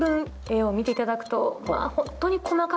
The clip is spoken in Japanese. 絵を見ていただくと。